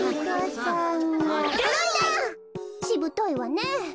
しぶといわねえ。